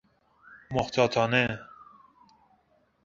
محتاطانه